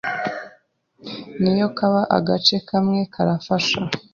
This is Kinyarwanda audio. Niyo kaba agace kamwe karafasha